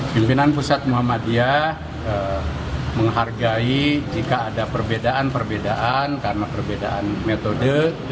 pimpinan pusat muhammadiyah menghargai jika ada perbedaan perbedaan karena perbedaan metode